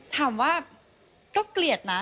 ถามว่าก็เกลียดนะ